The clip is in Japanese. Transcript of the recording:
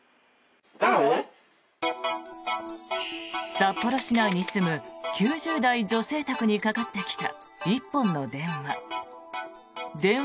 札幌市内に住む９０代女性宅にかかってきた１本の電話。